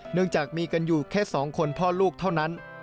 เนื่องจากมีกันอยู่แค่สองคนพ่อลูกเท่านั้น